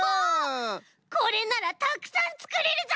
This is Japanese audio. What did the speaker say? これならたくさんつくれるぞ！